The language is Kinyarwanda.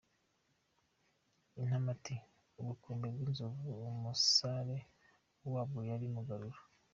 Intamati : ’Ubukombe bw’inzovu “Umusare wabwo yari Mugarura.